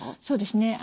そうですね。